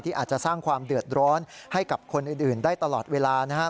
อาจจะสร้างความเดือดร้อนให้กับคนอื่นได้ตลอดเวลานะครับ